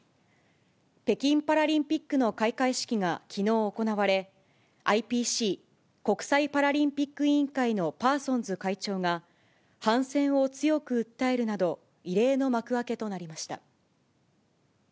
北京パラリンピックの開会式がきのう行われ、ＩＰＣ・国際パラリンピック委員会のパーソンズ会長が、反戦を強く訴えるなど、異例の幕開けとなりました。